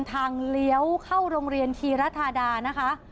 เลี้ยวเข้าโรงเรียนธีรธาดานะคะ